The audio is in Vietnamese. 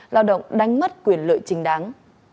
lao động đánh mất quyền lợi trình đáng